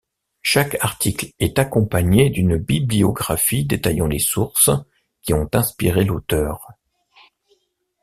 Chaque article est accompagné d'une bibliographie détaillant les sources qui ont inspiré l'auteure.